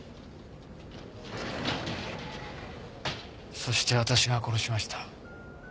そして私が殺しました。